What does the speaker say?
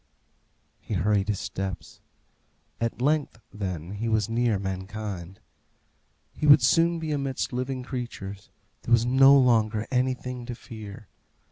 He hurried his steps. At length, then, he was near mankind. He would soon be amidst living creatures. There was no longer anything to fear.